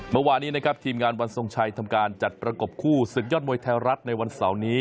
เมื่อวานนี้นะครับทีมงานวันทรงชัยทำการจัดประกบคู่ศึกยอดมวยไทยรัฐในวันเสาร์นี้